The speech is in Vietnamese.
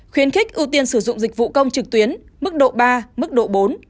khuyến khích ưu tiên sử dụng dịch vụ công trực tuyến mức độ ba mức độ bốn